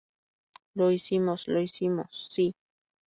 ¡ Lo hicimos! ¡ lo hicimos! ¡ sí!